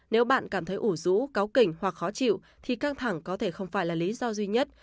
nếu bạn cảm thấy ủ rũ cáo kình hoặc khó chịu thì căng thẳng có thể không phải là lý do duy nhất